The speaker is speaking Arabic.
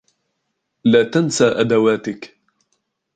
لا تنسى أدواتك.